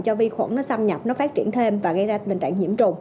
cho vi khuẩn nó xâm nhập nó phát triển thêm và gây ra tình trạng nhiễm trùng